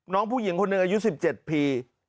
น้องผู้หญิงคนหนึ่งอายุ๑๗ปี